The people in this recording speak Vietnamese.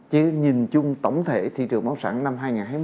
chứ nhìn chung tổng thể thị trường máu sản năm hai nghìn hai mươi